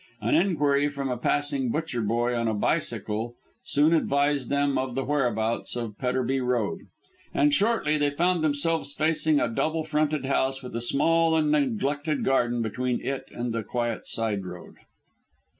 An inquiry from a passing butcher boy on a bicycle soon advised them of the whereabouts of Petterby Road, and shortly they found themselves facing a double fronted house with a small and neglected garden between it and the quiet side road.